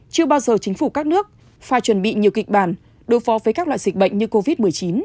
chưa bao giờ chính phủ các nước phải chuẩn bị nhiều kịch bản đối phó với các loại dịch bệnh như covid một mươi chín